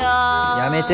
やめて。